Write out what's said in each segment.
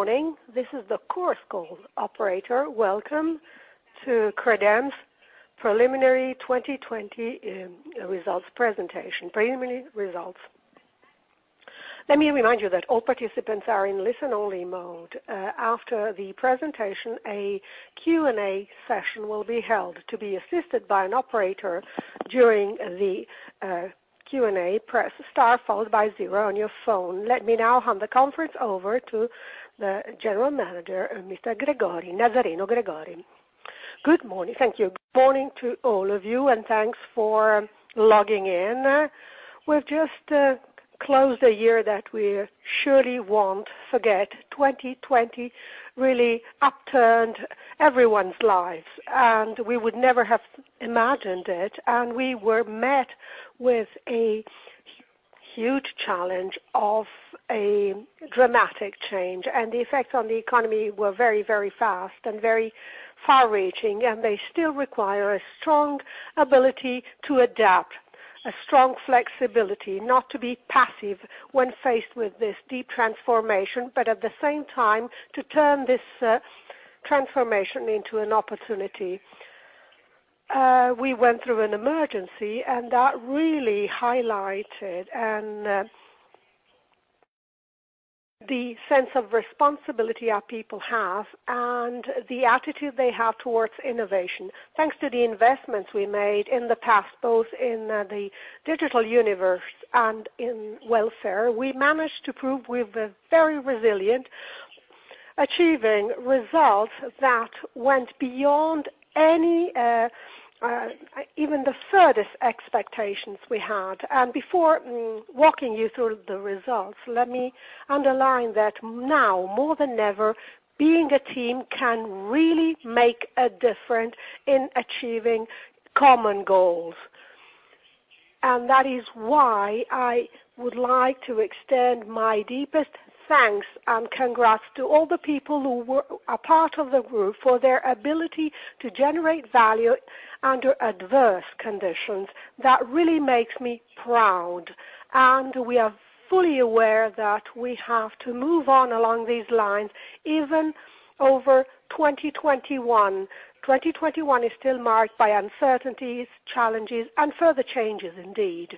Good morning. This is the conference call operator. Welcome to Credem's preliminary 2020 results presentation. Preliminary results. Let me remind you that all participants are in listen-only mode. After the presentation, a Q&A session will be held. To be assisted by an operator during the Q&A, press star followed by zero on your phone. Let me now hand the conference over to the General Manager, Mr. Gregori, Nazzareno Gregori. Good morning. Thank you. Good morning to all of you, thanks for logging in. We've just closed a year that we surely won't forget. 2020 really upturned everyone's life, we would never have imagined it. We were met with a huge challenge of a dramatic change, and the effects on the economy were very, very fast and very far-reaching, and they still require a strong ability to adapt, a strong flexibility not to be passive when faced with this deep transformation, but at the same time, to turn this transformation into an opportunity. We went through an emergency, and that really highlighted the sense of responsibility our people have and the attitude they have towards innovation. Thanks to the investments we made in the past, both in the digital universe and in welfare, we managed to prove we've been very resilient, achieving results that went beyond even the furthest expectations we had. Before walking you through the results, let me underline that now, more than ever, being a team can really make a difference in achieving common goals. That is why I would like to extend my deepest thanks and congrats to all the people who were a part of the group for their ability to generate value under adverse conditions. That really makes me proud, and we are fully aware that we have to move on along these lines even over 2021. 2021 is still marked by uncertainties, challenges, and further changes indeed.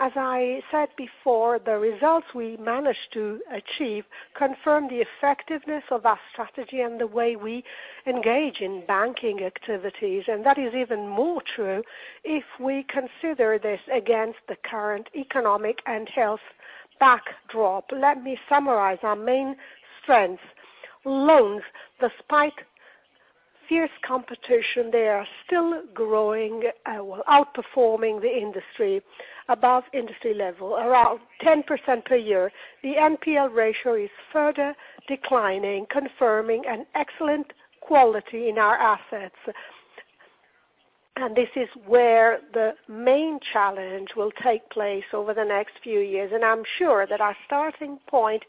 As I said before, the results we managed to achieve confirm the effectiveness of our strategy and the way we engage in banking activities. That is even more true if we consider this against the current economic and health backdrop. Let me summarize our main strengths. Loans, despite fierce competition, they are still growing, outperforming the industry above industry level, around 10% per year. The NPL ratio is further declining, confirming an excellent quality in our assets. This is where the main challenge will take place over the next few years, and I'm sure that our starting point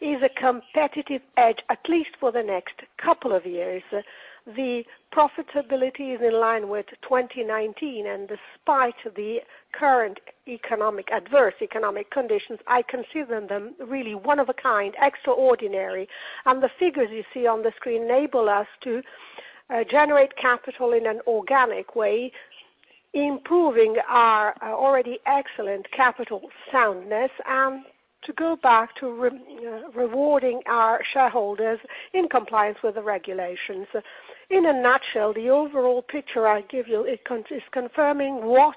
is a competitive edge, at least for the next couple of years. The profitability is in line with 2019, despite the current adverse economic conditions, I consider them really one of a kind, extraordinary. The figures you see on the screen enable us to generate capital in an organic way, improving our already excellent capital soundness, and to go back to rewarding our shareholders in compliance with the regulations. In a nutshell, the overall picture I give you is confirming what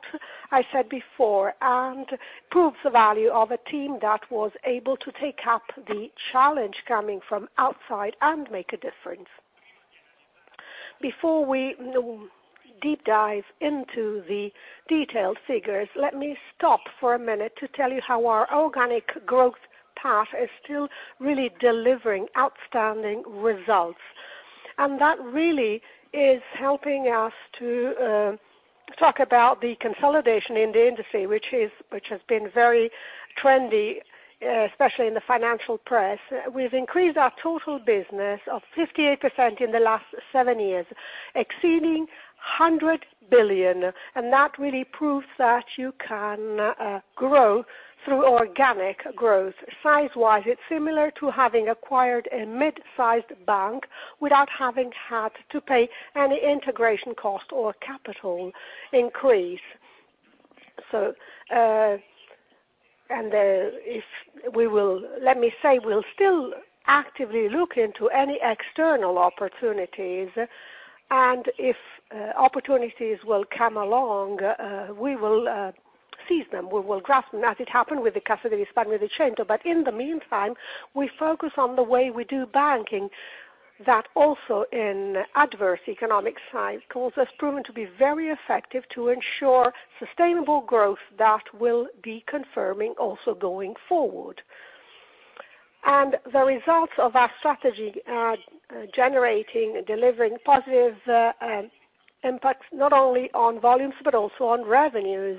I said before and proves the value of a team that was able to take up the challenge coming from outside and make a difference. Before we deep dive into the detailed figures, let me stop for a minute to tell you how our organic growth path is still really delivering outstanding results. That really is helping us to talk about the consolidation in the industry, which has been very trendy, especially in the financial press. We've increased our total business of 58% in the last seven years, exceeding 100 billion. That really proves that you can grow through organic growth. Size-wise, it's similar to having acquired a mid-sized bank without having had to pay any integration cost or capital increase. Let me say, we'll still actively look into any external opportunities, and if opportunities will come along, we will seize them. We will grasp them as it happened with the Cassa di Risparmio di Cento. In the meantime, we focus on the way we do banking that also in adverse economic cycles has proven to be very effective to ensure sustainable growth that we'll be confirming also going forward. The results of our strategy are generating, delivering positive impacts, not only on volumes, but also on revenues.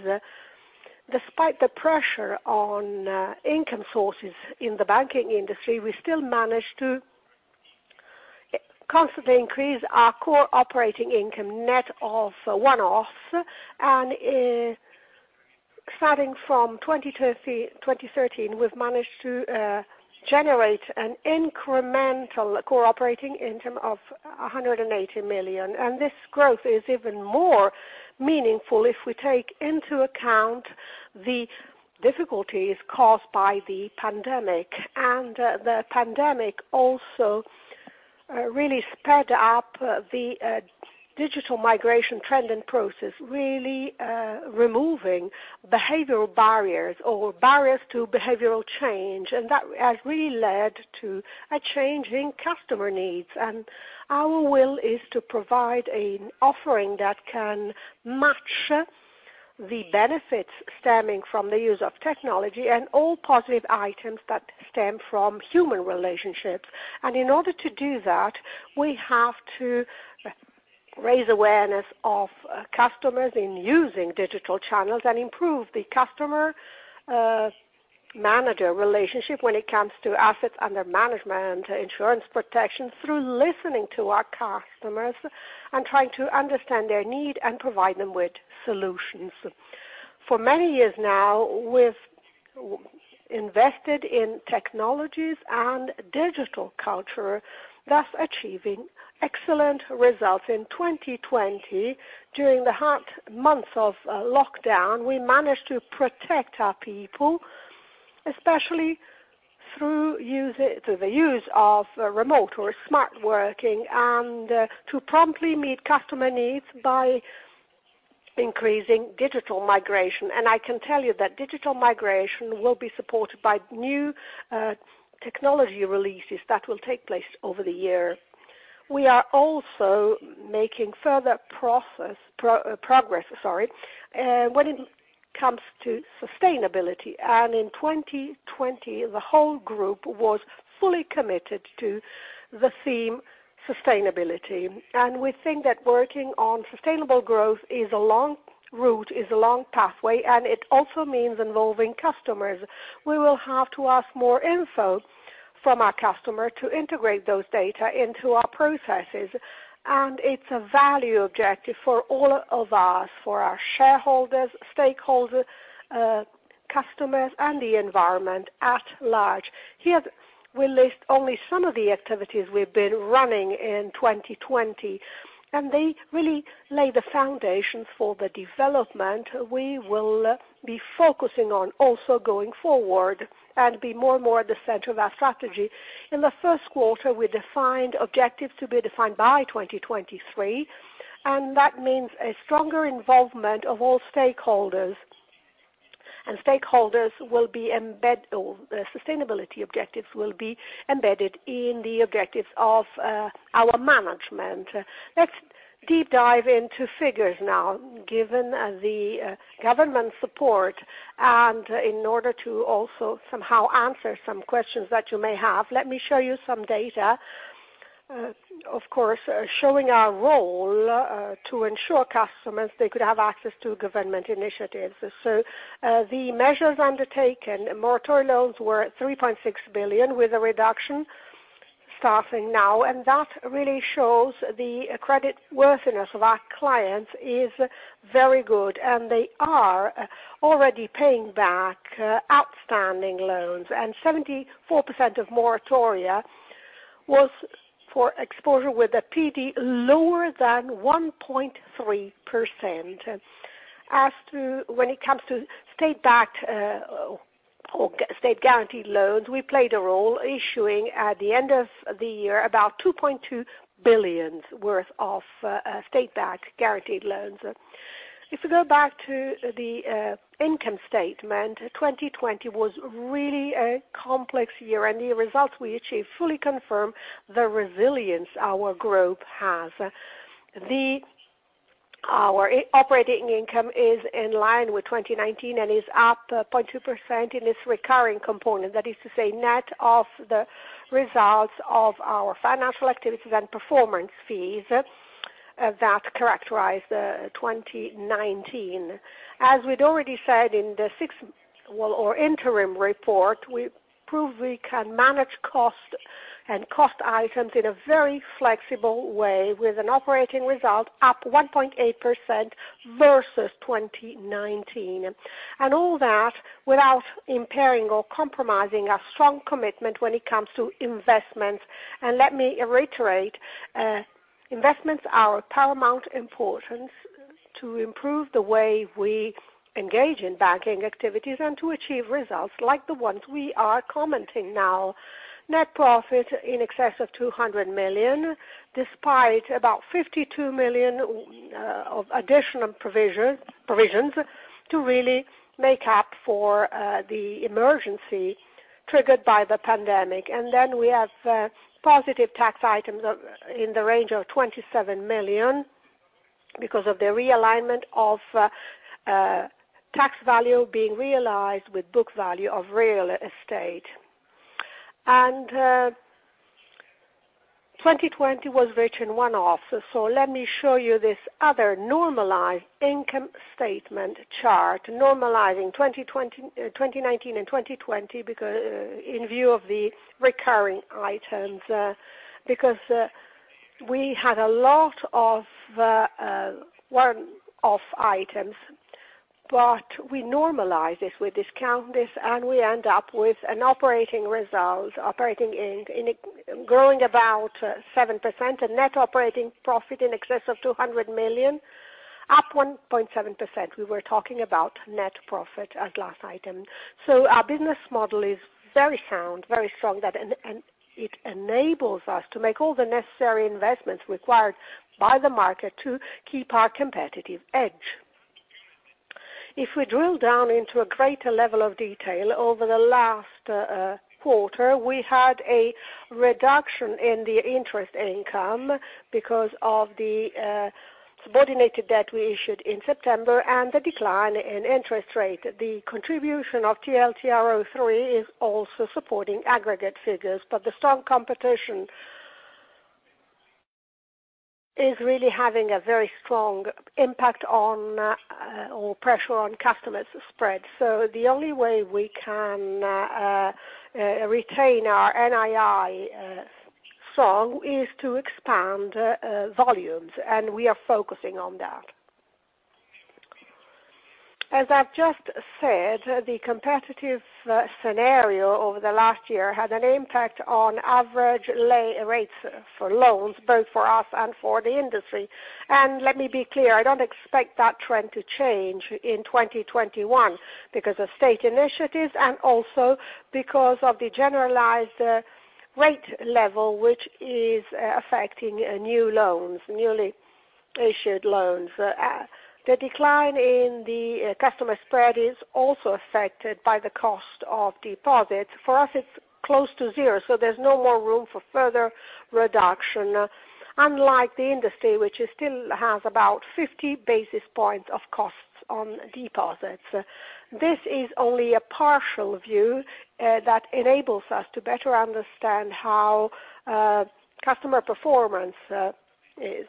Despite the pressure on income sources in the banking industry, we still managed to constantly increase our core operating income net of one-offs. Starting from 2013, we've managed to generate an incremental core operating income of 180 million. This growth is even more meaningful if we take into account the difficulties caused by the pandemic. The pandemic also really sped up the digital migration trend and process, really removing behavioral barriers or barriers to behavioral change. That has really led to a change in customer needs. Our will is to provide an offering that can match the benefits stemming from the use of technology and all positive items that stem from human relationships. In order to do that, we have to raise awareness of customers in using digital channels and improve the customer-manager relationship when it comes to assets under management, insurance protection, through listening to our customers and trying to understand their need and provide them with solutions. For many years now, we've invested in technologies and digital culture, thus achieving excellent results. In 2020, during the hot months of lockdown, we managed to protect our people, especially through the use of remote or smart working, and to promptly meet customer needs by increasing digital migration. I can tell you that digital migration will be supported by new technology releases that will take place over the year. We are also making further progress when it comes to sustainability. In 2020, the whole group was fully committed to the theme sustainability. We think that working on sustainable growth is a long route, is a long pathway, and it also means involving customers. We will have to ask more info from our customer to integrate those data into our processes. It's a value objective for all of us, for our shareholders, stakeholders, customers, and the environment at large. Here we list only some of the activities we've been running in 2020, they really lay the foundation for the development we will be focusing on also going forward and be more and more at the center of our strategy. In the first quarter, we defined objectives to be defined by 2023, that means a stronger involvement of all stakeholders. Sustainability objectives will be embedded in the objectives of our management. Let's deep dive into figures now. Given the government support and in order to also somehow answer some questions that you may have, let me show you some data, of course, showing our role to ensure customers they could have access to government initiatives. The measures undertaken, moratory loans were 3.6 billion, with a reduction starting now, and that really shows the creditworthiness of our clients is very good, and they are already paying back outstanding loans. 74% of moratoria was for exposure with a PD lower than 1.3%. When it comes to state-backed or state-guaranteed loans, we played a role issuing, at the end of the year, about 2.2 billion worth of state-backed guaranteed loans. If we go back to the income statement, 2020 was really a complex year, and the results we achieved fully confirm the resilience our group has. Our operating income is in line with 2019 and is up 0.2% in its recurring component. That is to say, net of the results of our financial activities and performance fees that characterized 2019. As we'd already said in the interim report, we prove we can manage cost and cost items in a very flexible way with an operating result up 1.8% versus 2019. All that without impairing or compromising our strong commitment when it comes to investments. Let me reiterate, investments are of paramount importance to improve the way we engage in banking activities and to achieve results like the ones we are commenting now. Net profit in excess of 200 million, despite about 52 million of additional provisions to really make up for the emergency triggered by the pandemic. We have positive tax items in the range of 27 million because of the realignment of tax value being realized with book value of real estate. 2020 was rich in one-offs. Let me show you this other normalized income statement chart, normalizing 2019 and 2020 in view of the recurring items. Because we had a lot of one-off items, but we normalize this, we discount this, and we end up with an operating result, operating income, growing about 7%, a net operating profit in excess of 200 million, up 1.7%. We were talking about net profit as last item. Our business model is very sound, very strong, and it enables us to make all the necessary investments required by the market to keep our competitive edge. If we drill down into a greater level of detail, over the last quarter, we had a reduction in the interest income because of the subordinated debt we issued in September and the decline in interest rate. The contribution of TLTRO III is also supporting aggregate figures, but the strong competition is really having a very strong impact on, or pressure on customer spread. The only way we can retain our NII strong is to expand volumes, and we are focusing on that. As I've just said, the competitive scenario over the last year had an impact on average rates for loans, both for us and for the industry. Let me be clear, I don't expect that trend to change in 2021 because of state initiatives and also because of the generalized rate level, which is affecting new loans, newly issued loans. The decline in the customer spread is also affected by the cost of deposits. For us, it's close to zero, so there's no more room for further reduction, unlike the industry, which still has about 50 basis points of costs on deposits. This is only a partial view that enables us to better understand how customer performance is.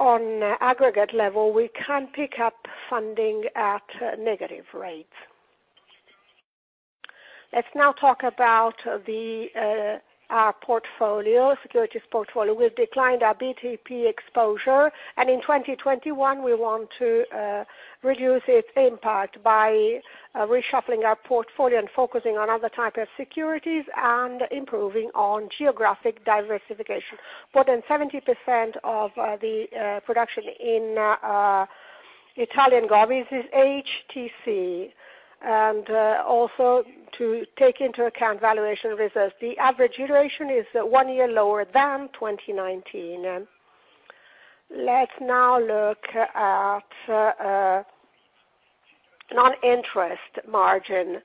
On aggregate level, we can pick up funding at negative rates. Let's now talk about our securities portfolio. We've declined our BTP exposure, and in 2021, we want to reduce its impact by reshuffling our portfolio and focusing on other type of securities and improving on geographic diversification. More than 70% of the production in Italian govies is HTC, also to take into account valuation reserves. The average duration is one year lower than 2019. Let's now look at Non-interest Margin.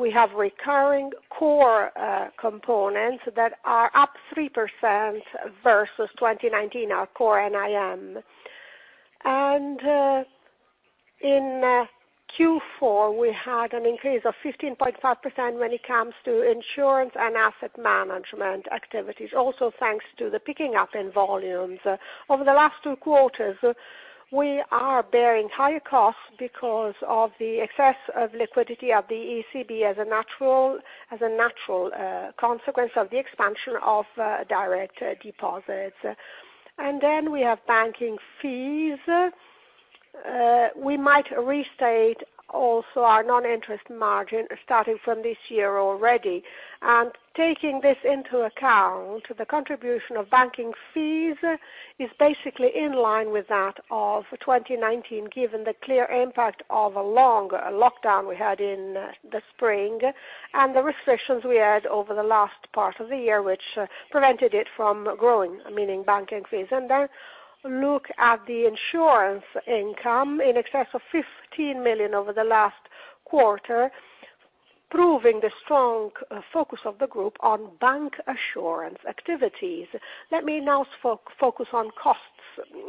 We have recurring core components that are up 3% versus 2019, our core NIM. In Q4, we had an increase of 15.5% when it comes to insurance and asset management activities, also thanks to the picking up in volumes. Over the last two quarters, we are bearing higher costs because of the excess of liquidity of the ECB as a natural consequence of the expansion of direct deposits. Then we have banking fees. We might restate also our Non-interest Margin starting from this year already. Taking this into account, the contribution of banking fees is basically in line with that of 2019, given the clear impact of a long lockdown we had in the spring, and the restrictions we had over the last part of the year, which prevented it from growing, meaning banking fees. Look at the insurance income in excess of 15 million over the last quarter, proving the strong focus of the group on bancassurance activities. Let me now focus on costs.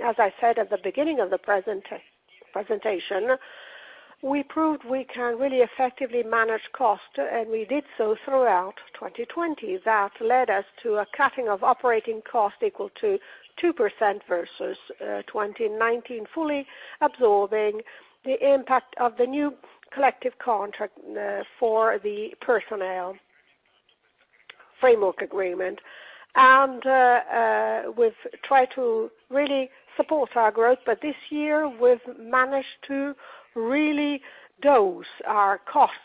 As I said at the beginning of the presentation, we proved we can really effectively manage costs, and we did so throughout 2020. That led us to a cutting of operating costs equal to 2% versus 2019, fully absorbing the impact of the new collective contract for the personnel framework agreement. We've tried to really support our growth, this year we've managed to really dose our costs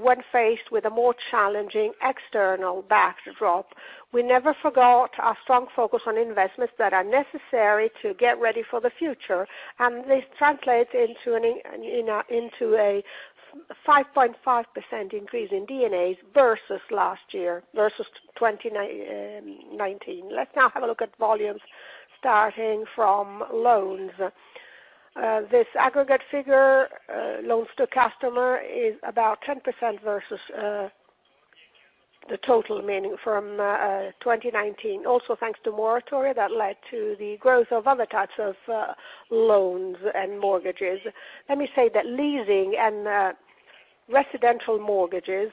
when faced with a more challenging external backdrop. We never forgot our strong focus on investments that are necessary to get ready for the future, this translates into a 5.5% increase in D&As versus last year, versus 2019. Let's now have a look at volumes starting from loans. This aggregate figure, loans to customer, is about 10% versus the total, meaning from 2019. Thanks to moratoria that led to the growth of other types of loans and mortgages. Let me say that leasing and residential mortgages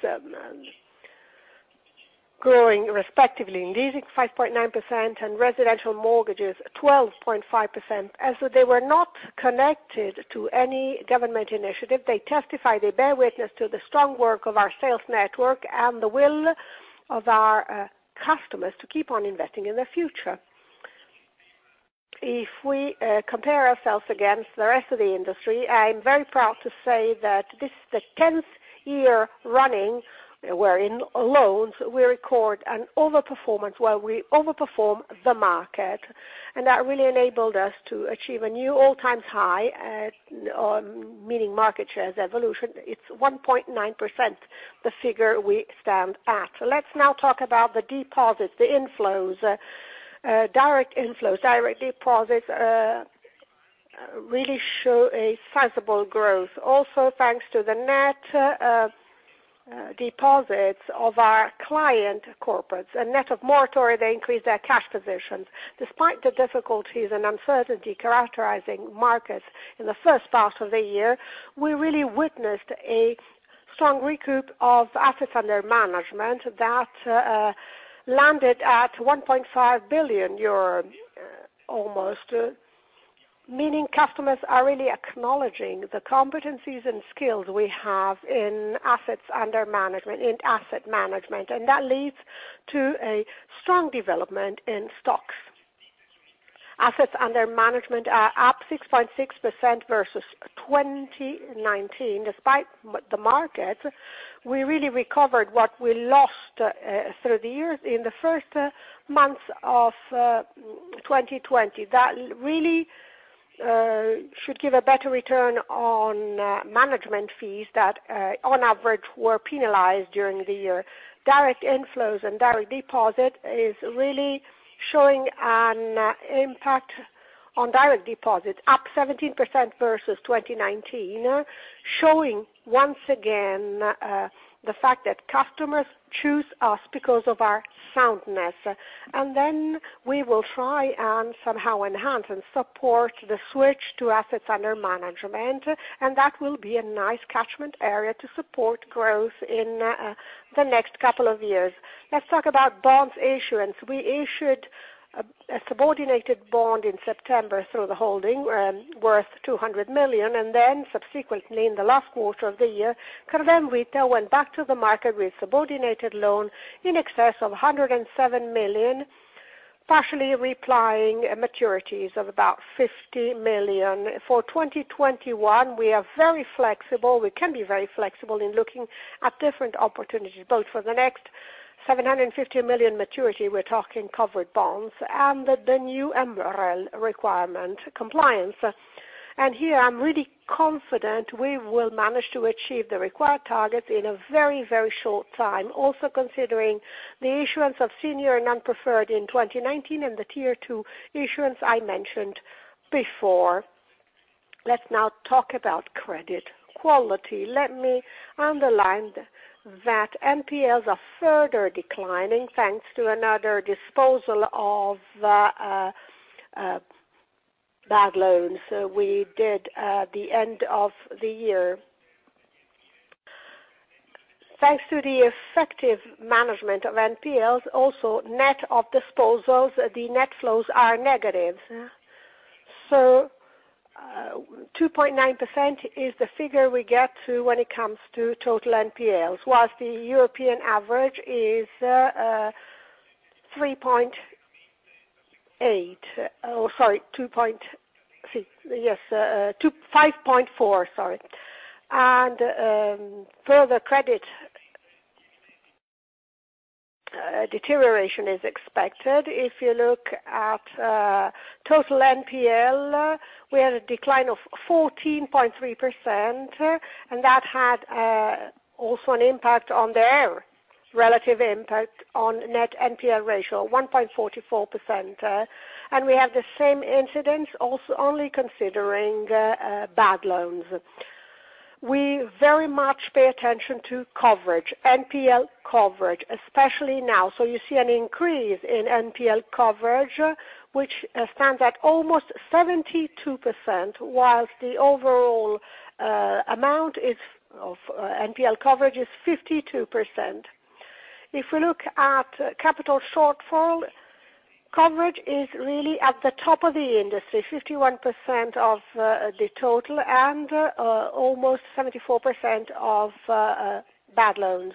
growing respectively, leasing 5.9%, residential mortgages 12.5%, as they were not connected to any government initiative. They testify, they bear witness to the strong work of our sales network and the will of our customers to keep on investing in their future. If we compare ourselves against the rest of the industry, I'm very proud to say that this is the 10th year running, where in loans we record an over-performance where we over-perform the market, and that really enabled us to achieve a new all-time high, meaning market shares evolution. It's 1.9%, the figure we stand at. Let's now talk about the deposits, the inflows. Direct inflows, direct deposits really show a sizable growth. Thanks to the net deposits of our client corporates. A net of maturity, they increase their cash positions. Despite the difficulties and uncertainty characterizing markets in the first part of the year, we really witnessed a strong recoup of assets under management that landed at 1.5 billion euro, almost. Meaning customers are really acknowledging the competencies and skills we have in assets under management, in asset management, and that leads to a strong development in stocks. Assets under management are up 6.6% versus 2019, despite the market. We really recovered what we lost through the years in the first months of 2020. That really should give a better return on management fees that on average were penalized during the year. Direct inflows and direct deposit is really showing an impact on direct deposit, up 17% versus 2019, showing once again, the fact that customers choose us because of our soundness. We will try and somehow enhance and support the switch to assets under management, and that will be a nice catchment area to support growth in the next couple of years. Let's talk about bonds issuance. We issued a subordinated bond in September through the holding, worth 200 million. Subsequently in the last quarter of the year, Credem Retail went back to the market with subordinated loan in excess of 107 million, partially repplying maturities of about 50 million. For 2021, we are very flexible. We can be very flexible in looking at different opportunities, both for the next 750 million maturity, we're talking covered bonds, and the new MREL requirement compliance. Here I'm really confident we will manage to achieve the required targets in a very short time. Also considering the issuance of senior non-preferred in 2019 and the Tier 2 issuance I mentioned before. Let's now talk about credit quality. Let me underline that NPLs are further declining thanks to another disposal of bad loans we did at the end of the year. Thanks to the effective management of NPLs, also net of disposals, the net flows are negative. 2.9% is the figure we get to when it comes to total NPLs, whilst the European average is 2.4%, sorry. Further credit deterioration is expected. If you look at total NPL, we had a decline of 14.3%, and that had also an impact on their relative impact on net NPL ratio, 1.44%, and we have the same incidence also only considering bad loans. We very much pay attention to coverage, NPL coverage, especially now. You see an increase in NPL coverage, which stands at almost 72%, whilst the overall amount of NPL coverage is 52%. If we look at capital shortfall, coverage is really at the top of the industry, 51% of the total and almost 74% of bad loans.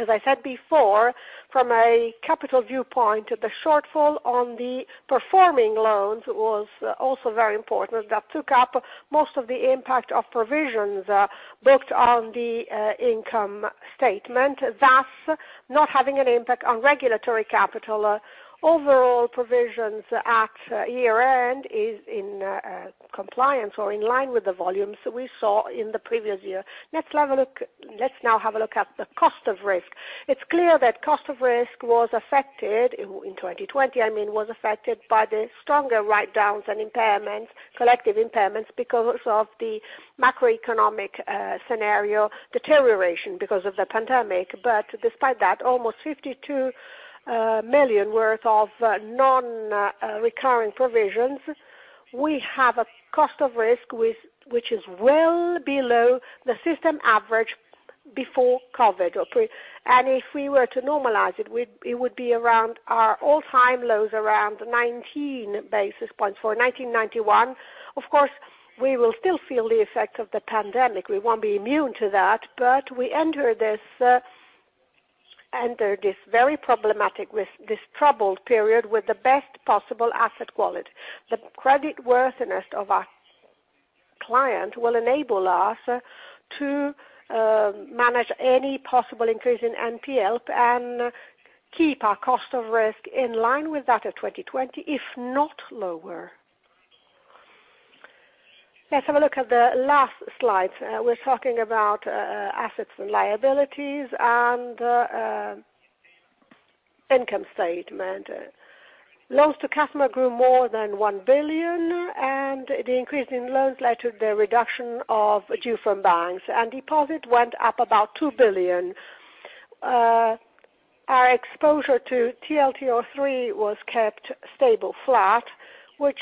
As I said before, from a capital viewpoint, the shortfall on the performing loans was also very important. That took up most of the impact of provisions booked on the income statement, thus not having an impact on regulatory capital. Overall provisions at year-end is in compliance or in line with the volumes we saw in the previous year. Let's now have a look at the cost of risk. It's clear that cost of risk was affected, in 2020, I mean, was affected by the stronger write-downs and collective impairments because of the macroeconomic scenario deterioration because of the pandemic. Despite that, almost 52 million worth of non-recurring provisions, we have a cost of risk which is well below the system average before COVID. If we were to normalize it would be around our all-time lows, around 19 basis points for 2019. Of course, we will still feel the effect of the pandemic. We won't be immune to that, we enter this very problematic, this troubled period with the best possible asset quality. The credit worthiness of our client will enable us to manage any possible increase in NPL and keep our cost of risk in line with that of 2020, if not lower. Let's have a look at the last slide. We're talking about assets and liabilities and income statement. Loans to customer grew more than 1 billion, The increase in loans led to the reduction of due from banks, and deposit went up about 2 billion. Our exposure to TLTRO III was kept stable, flat, which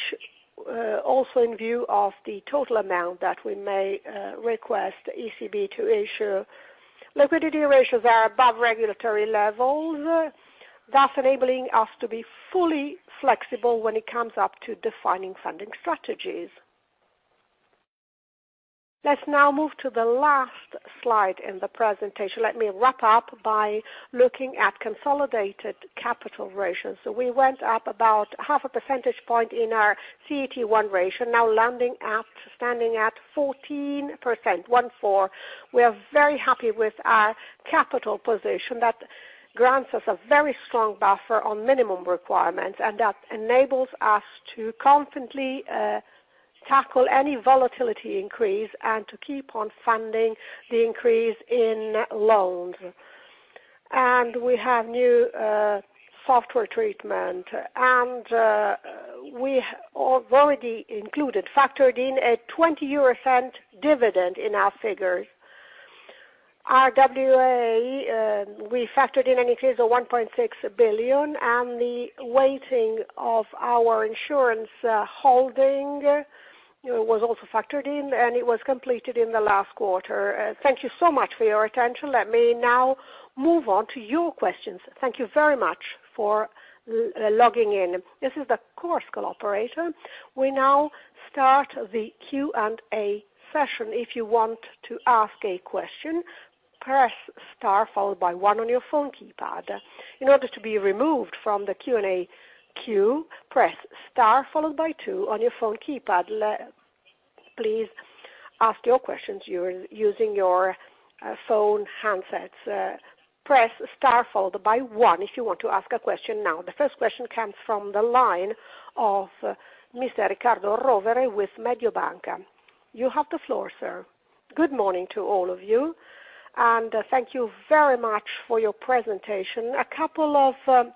also in view of the total amount that we may request ECB to issue. Liquidity ratios are above regulatory levels, thus enabling us to be fully flexible when it comes up to defining funding strategies. Let's now move to the last slide in the presentation. Let me wrap up by looking at consolidated capital ratios. We went up about half a percentage point in our CET1 ratio, now landing, standing at 14%, one, four. We are very happy with our capital position. That grants us a very strong buffer on minimum requirements, and that enables us to confidently tackle any volatility increase and to keep on funding the increase in loans. We have new software treatment, we have already included, factored in a 0.20 dividend in our figures. RWA, we factored in an increase of 1.6 billion, the weighting of our insurance holding was also factored in, it was completed in the last quarter. Thank you so much for your attention. Let me now move on to your questions. Thank you very much for logging in. This is the Chorus Call operator. We now start the Q&A session. If you want to ask a question, press star followed by one on your phone keypad. In order to be removed from the Q&A queue, press star followed by two on your phone keypad. Please ask your question using your phone handset. Press star followed by one if you want to ask a question now. The first question comes from the line of Mr. Riccardo Rovere with Mediobanca. You have the floor, sir. Good morning to all of you, thank you very much for your presentation. A couple of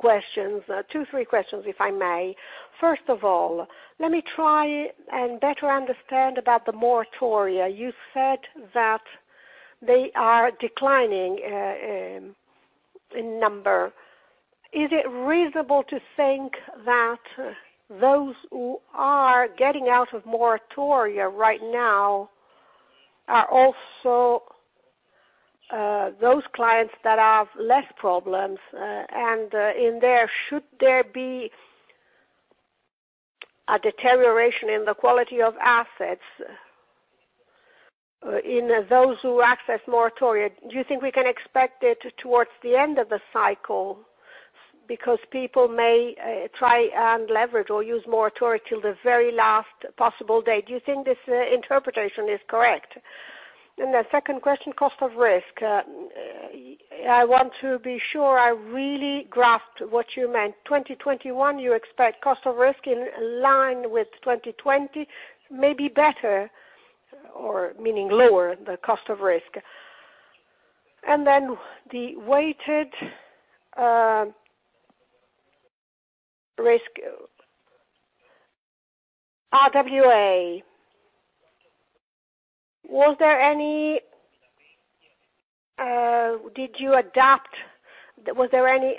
questions, two, three questions, if I may. First of all, let me try and better understand about the moratoria. You said that they are declining in number. Is it reasonable to think that those who are getting out of moratoria right now are also those clients that have less problems? In there, should there be a deterioration in the quality of assets in those who access moratoria? Do you think we can expect it towards the end of the cycle because people may try and leverage or use moratoria till the very last possible day? Do you think this interpretation is correct? The second question, cost of risk. I want to be sure I really grasped what you meant. 2021, you expect cost of risk in line with 2020, maybe better or meaning lower the cost of risk. The weighted risk, RWA, was there any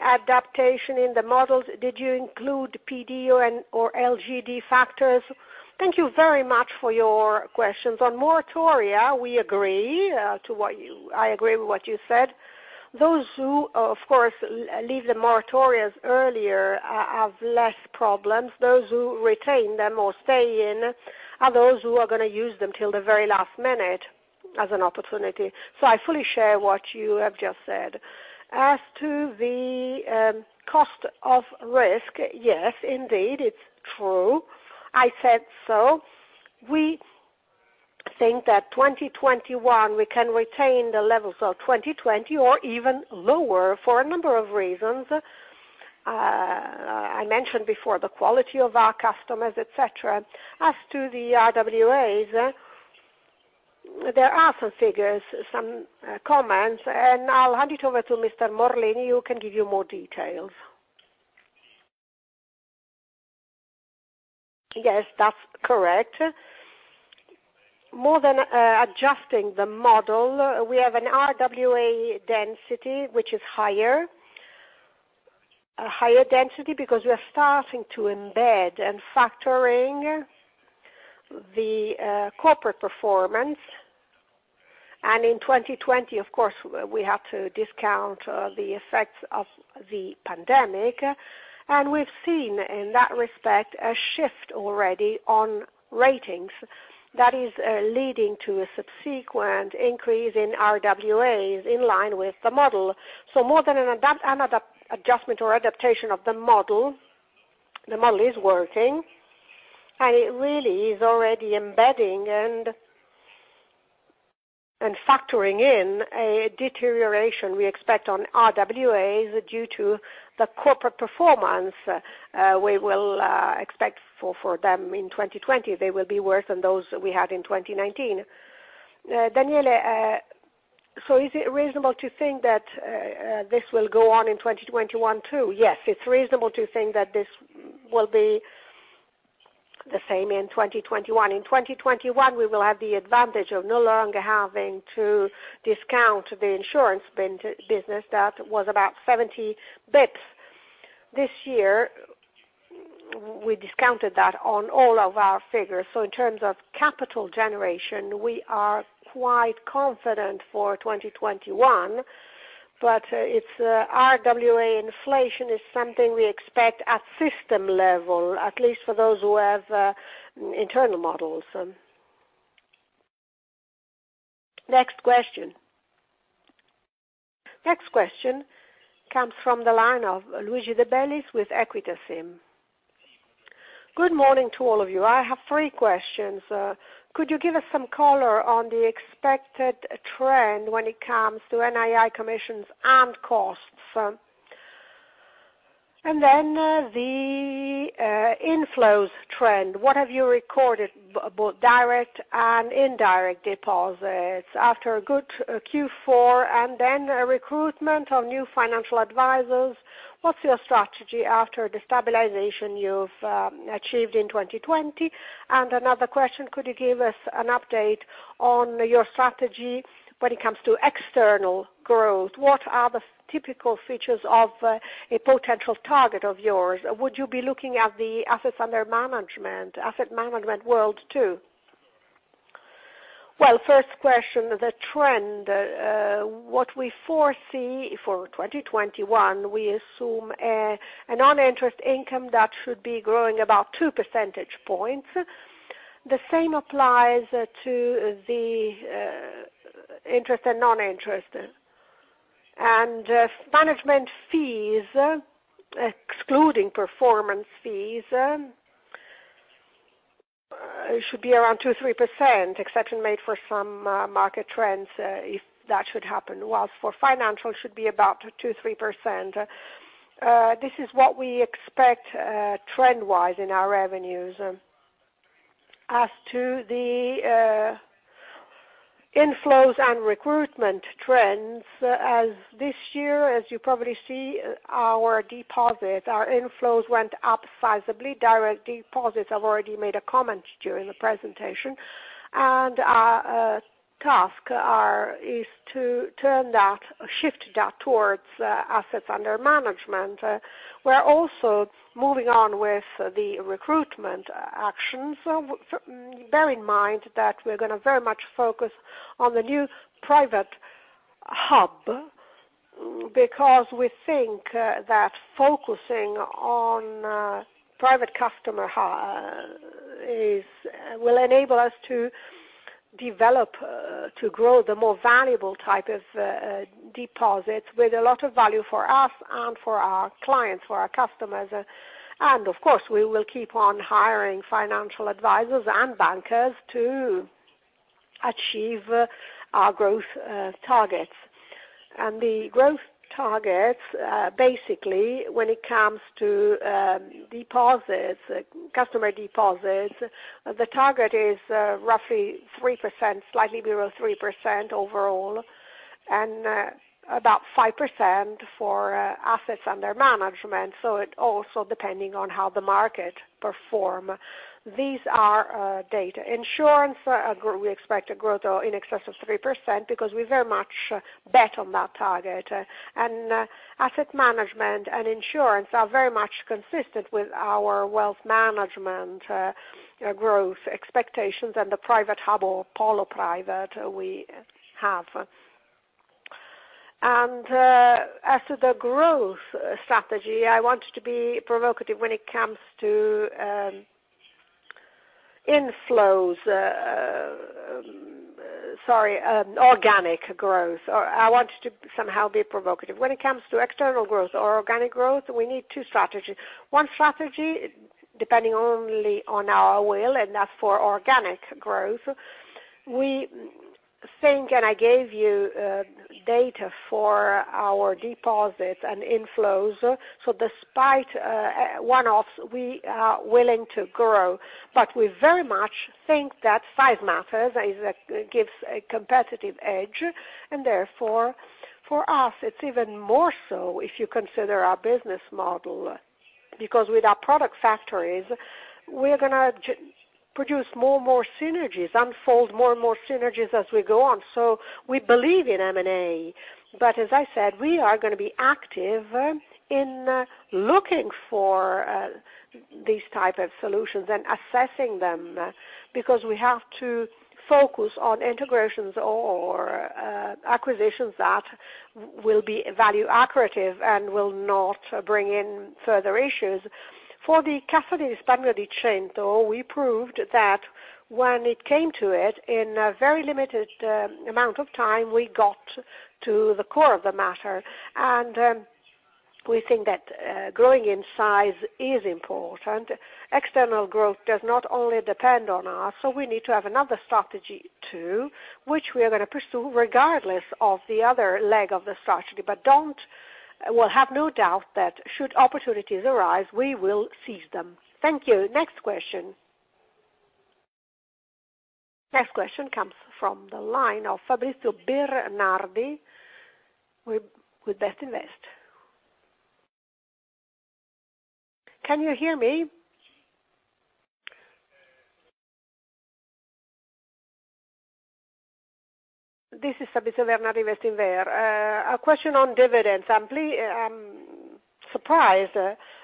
adaptation in the models? Did you include PD or LGD factors? Thank you very much for your questions. On moratoria, I agree with what you said. Those who, of course, leave the moratorias earlier have less problems. Those who retain them or stay in are those who are going to use them till the very last minute as an opportunity. I fully share what you have just said. As to the cost of risk, yes, indeed, it's true. I said so. We think that 2021 we can retain the levels of 2020 or even lower for a number of reasons. I mentioned before the quality of our customers, et cetera. As to the RWAs, there are some figures, some comments. I'll hand it over to Mr. Morlini, who can give you more details. Yes, that's correct. More than adjusting the model, we have an RWA density, which is higher. A higher density because we are starting to embed and factoring the corporate performance. In 2020, of course, we have to discount the effects of the pandemic. We've seen, in that respect, a shift already on ratings that is leading to a subsequent increase in RWAs in line with the model. More than an adjustment or adaptation of the model. The model is working, and it really is already embedding and factoring in a deterioration we expect on RWAs due to the corporate performance we will expect for them in 2020. They will be worse than those we had in 2019. Daniele, is it reasonable to think that this will go on in 2021 too? Yes, it's reasonable to think that this will be the same in 2021. In 2021, we will have the advantage of no longer having to discount the insurance business. That was about 70 basis points this year. We discounted that on all of our figures. In terms of capital generation, we are quite confident for 2021. RWA inflation is something we expect at system level, at least for those who have internal models. Next question. Next question comes from the line of Luigi De Bellis with Equita SIM. Good morning to all of you. I have three questions. Could you give us some color on the expected trend when it comes to NII commissions and costs? The inflows trend, what have you recorded, both direct and indirect deposits after a good Q4, then recruitment of new financial advisors, what's your strategy after the stabilization you've achieved in 2020? Another question, could you give us an update on your strategy when it comes to external growth? What are the typical features of a potential target of yours? Would you be looking at the assets under management, asset management world, too? First question, the trend. What we foresee for 2021, we assume a non-interest income that should be growing about two percentage points. The same applies to the interest and non-interest. Management fees, excluding performance fees, should be around 2%-3%, exception made for some market trends, if that should happen. Whilst for financial, it should be about 2%-3%. This is what we expect trend-wise in our revenues. As to the inflows and recruitment trends, as this year, as you probably see, our deposits, our inflows went up sizable. Direct deposits, I've already made a comment during the presentation. Our task is to shift that towards assets under management. We are also moving on with the recruitment actions. Bear in mind that we're going to very much focus on the new private hub, because we think that focusing on private customer will enable us to develop, to grow the more valuable type of deposits with a lot of value for us and for our clients, for our customers. Of course, we will keep on hiring financial advisors and bankers to achieve our growth targets. The growth targets, basically when it comes to customer deposits, the target is roughly 3%, slightly below 3% overall, and about 5% for assets under management. It also depending on how the market perform. These are data. Insurance, we expect a growth in excess of 3% because we very much bet on that target. Asset management and insurance are very much consistent with our wealth management growth expectations and the private hub or polo private we have. As to the growth strategy, I wanted to be provocative when it comes to inflows. Sorry, organic growth. I wanted to somehow be provocative. When it comes to external growth or organic growth, we need two strategies. One strategy, depending only on our will, and that's for organic growth. We think, and I gave you data for our deposits and inflows. Despite one-offs, we are willing to grow, but we very much think that size matters. That gives a competitive edge, therefore for us it's even more so if you consider our business model, because with our product factories, we're going to produce more and more synergies, unfold more and more synergies as we go on. We believe in M&A, but as I said, we are going to be active in looking for these type of solutions and assessing them because we have to focus on integrations or acquisitions that will be value accretive and will not bring in further issues. For the Cassa di Risparmio di Cento, we proved that when it came to it in a very limited amount of time, we got to the core of the matter. We think that growing in size is important. External growth does not only depend on us, so we need to have another strategy too, which we are going to pursue regardless of the other leg of the strategy, but have no doubt that should opportunities arise, we will seize them. Thank you. Next question. Next question comes from the line of Fabrizio Bernardi with BESTINVER. Can you hear me? This is Fabrizio Bernardi, BESTINVER. A question on dividends. I'm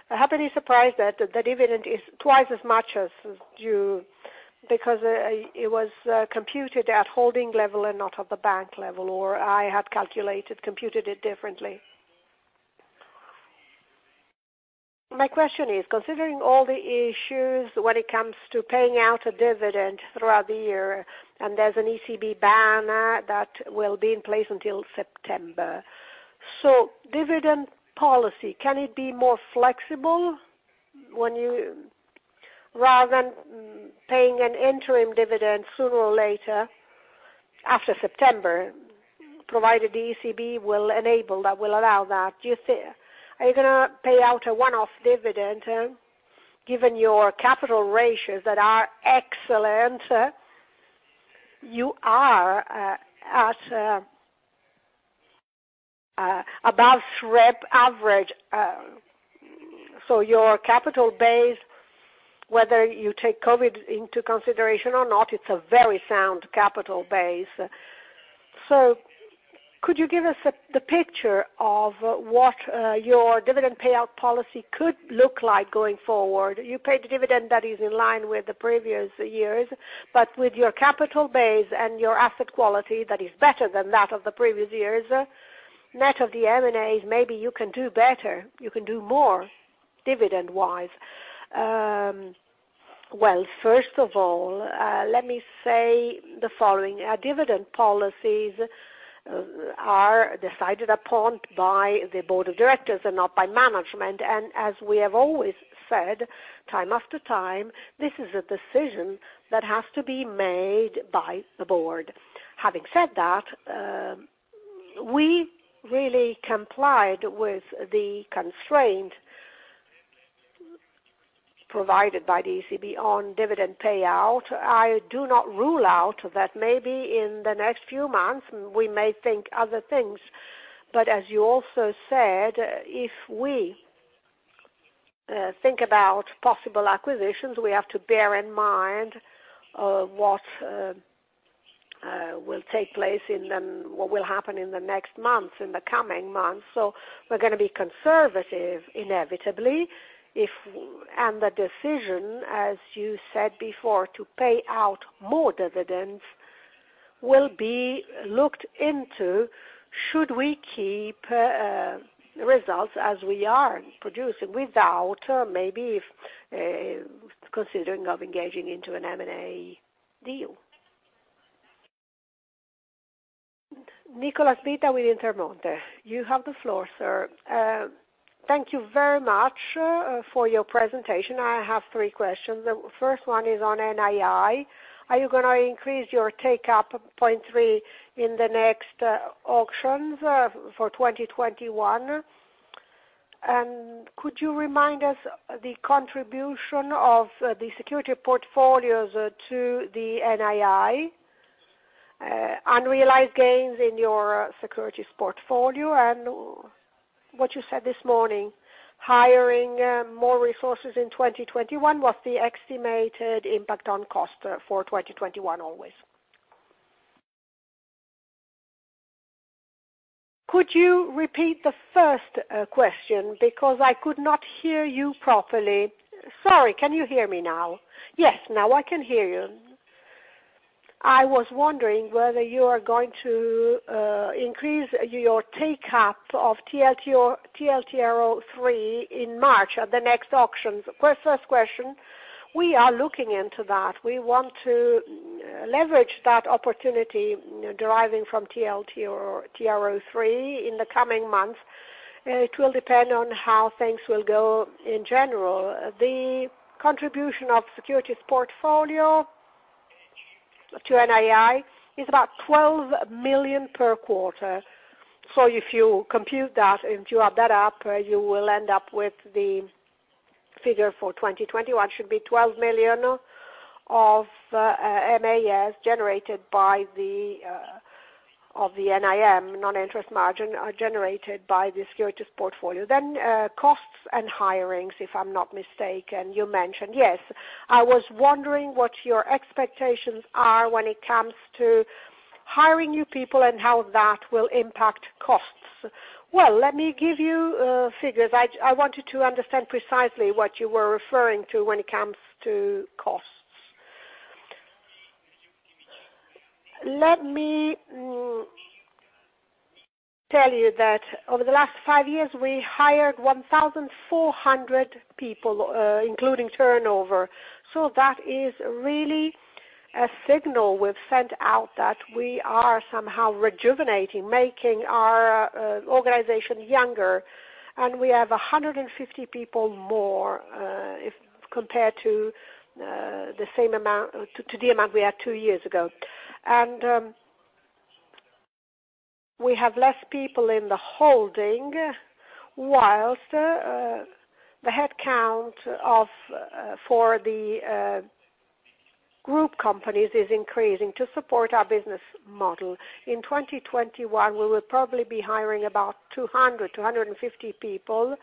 happily surprised that the dividend is twice as much as due, because it was computed at holding level and not at the bank level, or I had computed it differently. My question is, considering all the issues when it comes to paying out a dividend throughout the year, and there's an ECB ban that will be in place until September. Dividend policy, can it be more flexible, rather than paying an interim dividend sooner or later after September, provided the ECB will enable that, will allow that. Are you going to pay out a one-off dividend, given your capital ratios that are excellent? You are at above SREP average. Your capital base, whether you take COVID into consideration or not, it's a very sound capital base. Could you give us the picture of what your dividend payout policy could look like going forward? You paid a dividend that is in line with the previous years, with your capital base and your asset quality that is better than that of the previous years, net of the M&As, maybe you can do better. You can do more dividend-wise. Well, first of all, let me say the following. Our dividend policies are decided upon by the board of directors and not by management. As we have always said, time after time, this is a decision that has to be made by the board. Having said that, we really complied with the constraint provided by the ECB on dividend payout. I do not rule out that maybe in the next few months, we may think other things. As you also said, if we think about possible acquisitions, we have to bear in mind what will happen in the next months, in the coming months. We're going to be conservative inevitably. The decision, as you said before, to pay out more dividends will be looked into should we keep results as we are producing without maybe considering of engaging into an M&A deal. Nicola Scapillati with Intermonte. You have the floor, sir. Thank you very much for your presentation. I have three questions. The first one is on NII. Are you going to increase your take up TLTRO in the next auctions for 2021? Could you remind us the contribution of the security portfolios to the NII, unrealized gains in your securities portfolio, and what you said this morning, hiring more resources in 2021, what's the estimated impact on cost for 2021, always? Could you repeat the first question because I could not hear you properly? Sorry, can you hear me now? Yes, now I can hear you. I was wondering whether you are going to increase your take up of TLTRO III in March at the next auctions? First question. We are looking into that. We want to leverage that opportunity deriving from TLTRO III in the coming months. It will depend on how things will go in general. The contribution of securities portfolio to NII is about 12 million per quarter. If you compute that, and if you add that up, you will end up with the figure for 2021, should be 12 million of NII of the NIM, Non-interest Margin, are generated by the securities portfolio. Costs and hirings, if I'm not mistaken, you mentioned. Yes. I was wondering what your expectations are when it comes to hiring new people and how that will impact costs. Let me give you figures. I wanted to understand precisely what you were referring to when it comes to costs. Let me tell you that over the last five years, we hired 1,400 people, including turnover. That is really a signal we've sent out that we are somehow rejuvenating, making our organization younger. We have 150 people more, if compared to the amount we had two years ago. We have less people in the holding, whilst the headcount for the group companies is increasing to support our business model. In 2021, we will probably be hiring about 200, 250 people.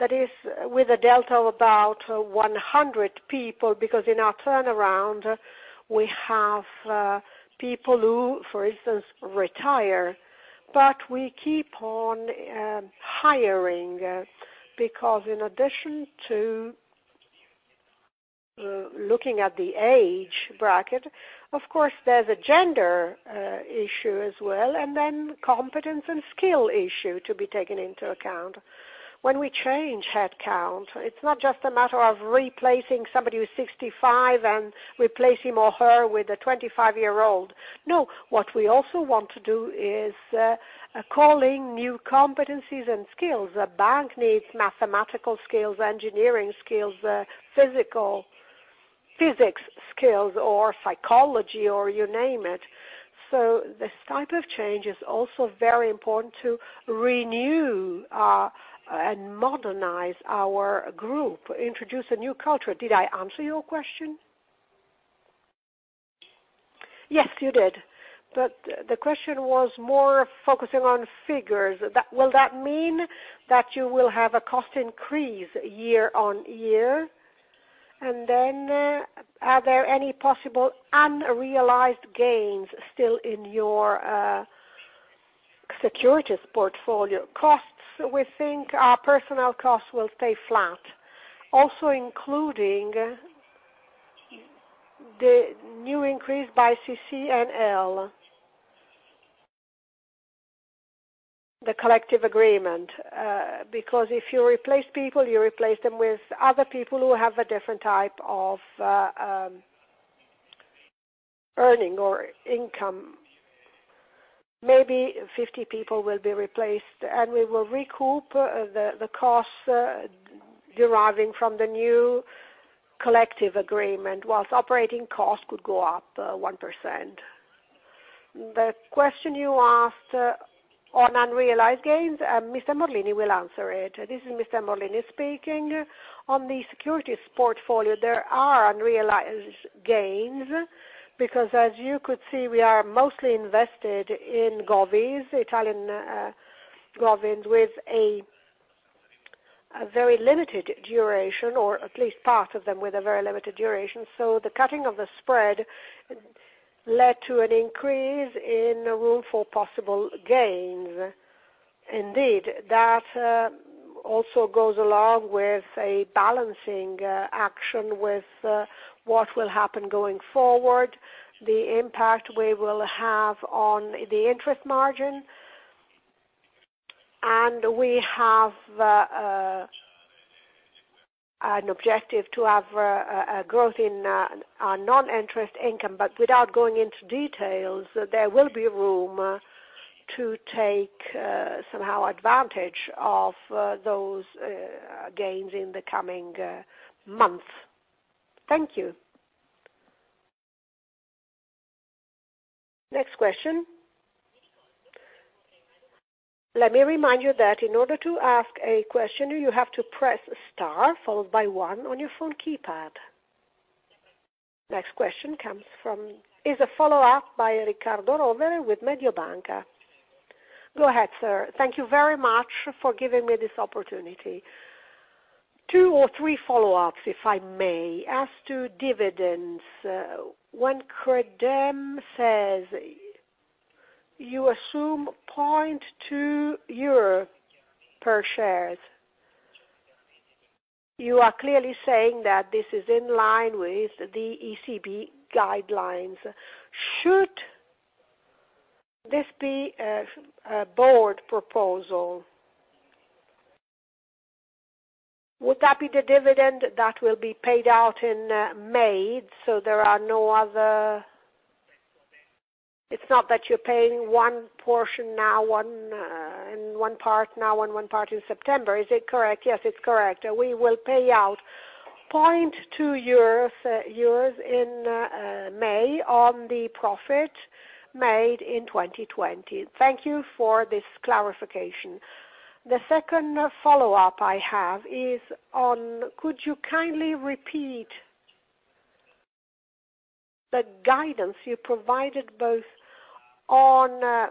That is with a delta of about 100 people, because in our turnaround, we have people who, for instance, retire. We keep on hiring, because in addition to looking at the age bracket, of course, there's a gender issue as well. Then competence and skill issue to be taken into account. When we change headcount, it's not just a matter of replacing somebody who's 65 years and replace him or her with a 25-year-old. No. What we also want to do is calling new competencies and skills. A bank needs mathematical skills, engineering skills, physics skills, or psychology, or you name it. This type of change is also very important to renew and modernize our group, introduce a new culture. Did I answer your question? Yes, you did. The question was more focusing on figures. Will that mean that you will have a cost increase year-over-year? Are there any possible unrealized gains still in your securities portfolio costs? We think our personnel costs will stay flat, also including the new increase by CCNL, the Collective Agreement, because if you replace people, you replace them with other people who have a different type of earning or income. Maybe 50 people will be replaced, we will recoup the costs deriving from the new collective agreement, whilst operating costs could go up 1%. The question you asked on unrealized gains, Mr. Morlini will answer it. This is Mr. Morlini speaking. On the securities portfolio, there are unrealized gains because as you could see, we are mostly invested in govies, Italian govies with a very limited duration, or at least part of them with a very limited duration. The cutting of the spread led to an increase in room for possible gains. Indeed, that also goes along with a balancing action with what will happen going forward, the impact we will have on the interest margin. We have an objective to have a growth in our non-interest income, but without going into details, there will be room to take somehow advantage of those gains in the coming months. Thank you. Next question. Let me remind you that in order to ask a question, you have to press star followed by one on your phone keypad. Next question is a follow-up by Riccardo Rovere with Mediobanca. Go ahead, sir. Thank you very much for giving me this opportunity. Two or three follow-ups, if I may. As to dividends, when Credem says you assume EUR 0.2 per share, you are clearly saying that this is in line with the ECB guidelines. Should this be a Board proposal, would that be the dividend that will be paid out in May, so it's not that you're paying one part now and one part in September? Is it correct? Yes, it's correct. We will pay out 0.2 euros in May on the profit made in 2020. Thank you for this clarification. The second follow-up I have is on, could you kindly repeat the guidance you provided both on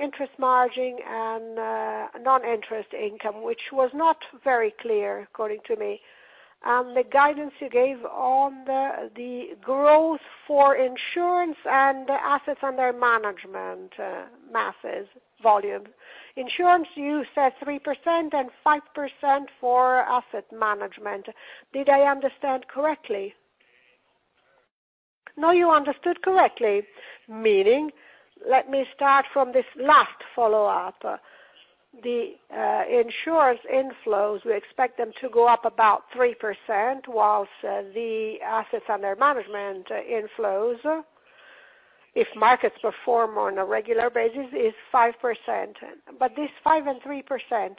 interest margin and non-interest income, which was not very clear, according to me, and the guidance you gave on the growth for insurance and assets under management masses, volume. Insurance, you said 3% and 5% for asset management. Did I understand correctly? You understood correctly. Meaning? Let me start from this last follow-up. The insurers inflows, we expect them to go up about 3%, whilst the assets under management inflows, if markets perform on a regular basis, is 5%. This 5% and 3%,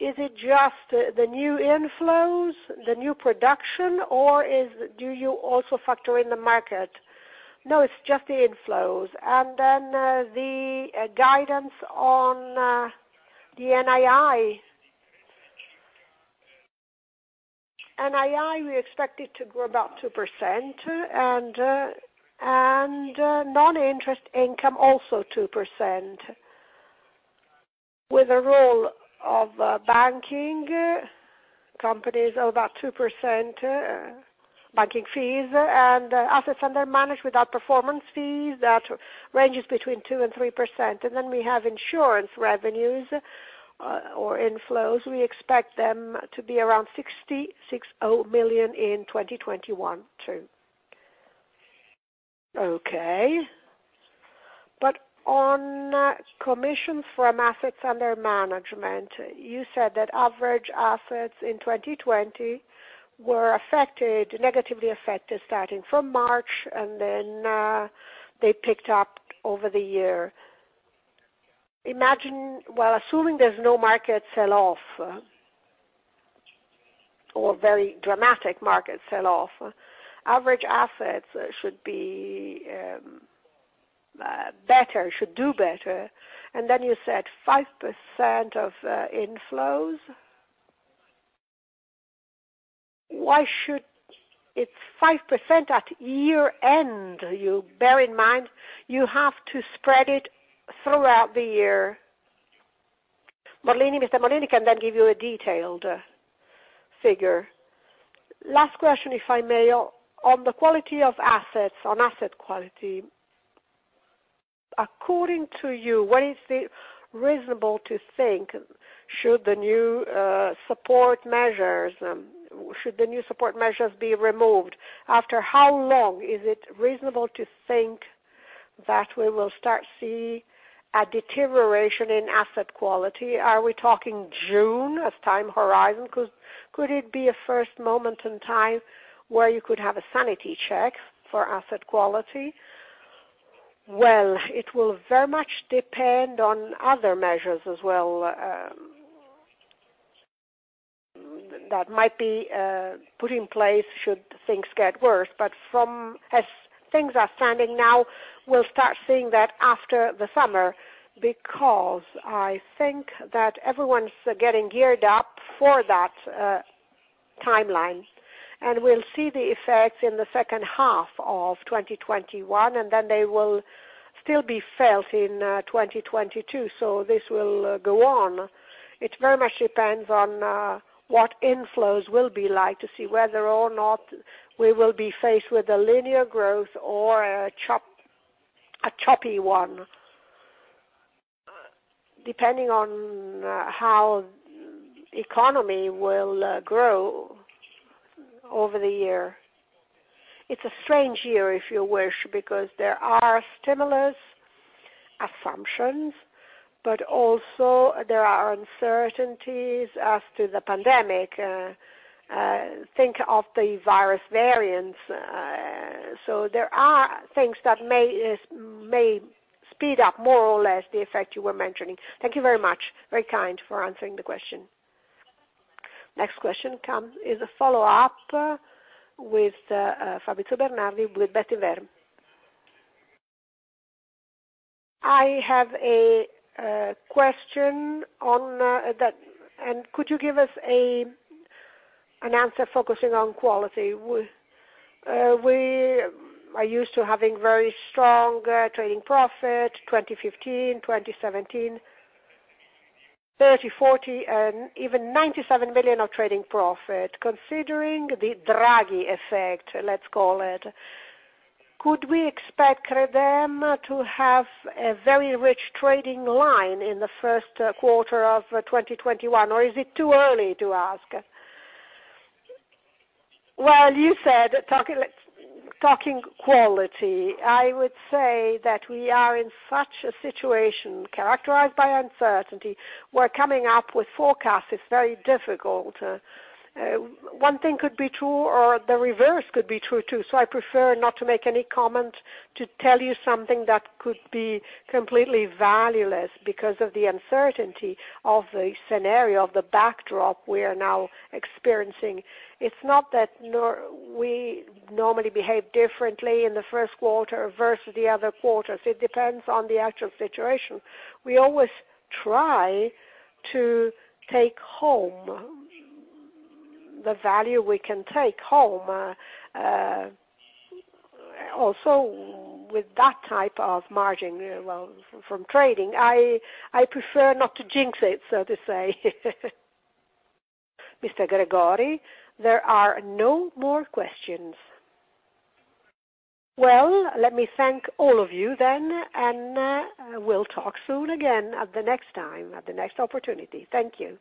is it just the new inflows, the new production, or do you also factor in the market? It's just the inflows. The guidance on the NII. NII, we expect it to grow about 2%, and Non-interest Income also 2%, with a role of banking companies of about 2%, banking fees, and assets under management without performance fees, that ranges between 2% and 3%. We have insurance revenues or inflows. We expect them to be around 66 million in 2021 too. Okay. On commissions from assets under management, you said that average assets in 2020 were negatively affected, starting from March, and then they picked up over the year. Assuming there's no market sell-off or very dramatic market sell-off, average assets should do better. You said 5% of inflows? It's 5% at year-end. Bear in mind, you have to spread it throughout the year. Mr. Morlini can then give you a detailed figure. Last question, if I may. On the quality of assets, on asset quality, according to you, what is reasonable to think, should the new support measures be removed? After how long is it reasonable to think that we will start see a deterioration in asset quality? Are we talking June as time horizon? Could it be a first moment in time where you could have a sanity check for asset quality? Well, it will very much depend on other measures as well, that might be put in place should things get worse. As things are standing now, we'll start seeing that after the summer, because I think that everyone's getting geared up for that timeline, and we'll see the effects in the second half of 2021, and then they will still be felt in 2022. This will go on. It very much depends on what inflows will be like to see whether or not we will be faced with a linear growth or a choppy one, depending on how economy will grow over the year. It's a strange year, if you wish, because there are stimulus assumptions, but also there are uncertainties as to the pandemic. Think of the virus variants. There are things that may speed up more or less the effect you were mentioning. Thank you very much. Very kind for answering the question. Next question is a follow-up with Fabrizio Bernardi with BESTINVER. I have a question on that, and could you give us an answer focusing on quality? We are used to having very strong trading profit, 2015, 2017, 30 million, 40 million, and even 97 million of trading profit. Considering the Draghi effect, let's call it, could we expect Credem to have a very rich trading line in the first quarter of 2021? Is it too early to ask? Well, you said, talking quality, I would say that we are in such a situation characterized by uncertainty, where coming up with forecasts is very difficult. One thing could be true, or the reverse could be true, too. I prefer not to make any comment to tell you something that could be completely valueless because of the uncertainty of the scenario, of the backdrop we are now experiencing. It's not that we normally behave differently in the first quarter versus the other quarters. It depends on the actual situation. We always try to take home the value we can take home. With that type of margin, from trading, I prefer not to jinx it, so to say. Mr. Gregori, there are no more questions. Well, let me thank all of you then, and we'll talk soon again at the next time, at the next opportunity. Thank you.